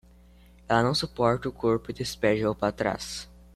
Ela não suporta o corpo e despeja-o para trás